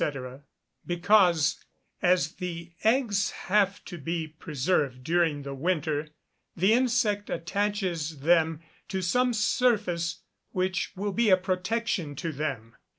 _ Because, as the eggs have to be preserved during the winter, the insect attaches them to some surface which will be a protection to them.